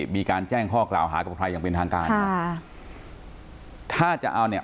มีการแจ้งข้อกล่าวหากับใครอย่างเป็นทางการค่ะถ้าจะเอาเนี่ย